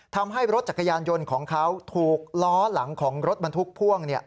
ทำให้รถจักรยานยนต์ของเขาถูกล้อหลังของรถบรรทุกพ่วง